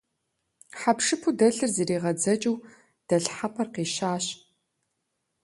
Хьэпшыпу дэлъыр зэригъэдзэкӀыу дэлъхьэпӏэр къищащ.